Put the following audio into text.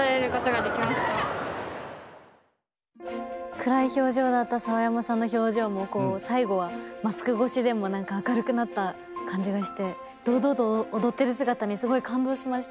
暗い表情だった澤山さんの表情も最後はマスク越しでも何か明るくなった感じがして堂々と踊ってる姿にすごい感動しました。